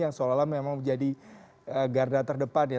yang seolah olah memang menjadi garda terdepan ya